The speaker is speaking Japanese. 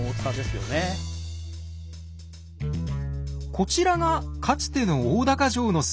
こちらがかつての大高城の姿。